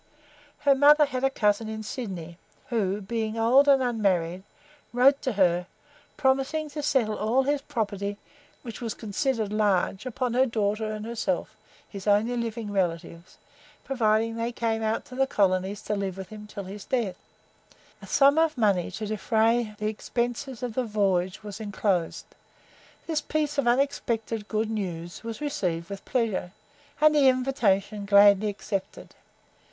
Her mother had had a cousin in Sydney, who being old and unmarried, wrote to her, promising to settle all his property, which was considered large, upon her daughter and herself, his only living relatives, provided they came out to the colonies to live with him until his death. A sum of money to defray the expenses of the voyage was enclosed. This piece of unexpected good news was received with pleasure, and the invitation gladly accepted.